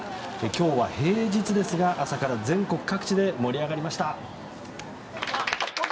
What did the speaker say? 今日は平日ですが朝から全国各地で盛り上がりました。